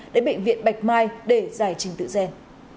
đến bệnh viện bạch mai để giải trình tựa ghen